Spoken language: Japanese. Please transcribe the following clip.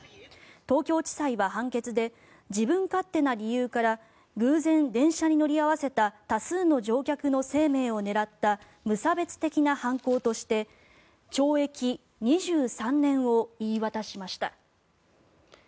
東京地裁は判決で自分勝手な理由から偶然、電車に乗り合わせた多数の乗客の生命を狙った無差別的な犯行として懲役２３年を言い渡しました。